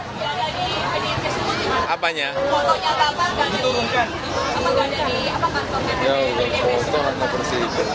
jokowi mengatakan bahwa foto bapak tidak ada di penyelesaian